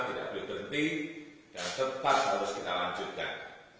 tidak berhenti henti dan cepat harus kita lanjutkan